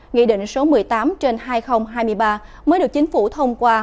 nghị định số một mươi tám trên hai nghìn hai mươi ba mới được chính phủ thông qua